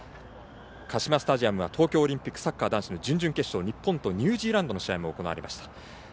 カシマスタジアムは東京オリンピックサッカー男子の準々決勝日本対ニュージーランドも行われました。